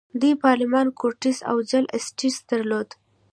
دوی پارلمان، کورټس او جل اسټټس درلودل.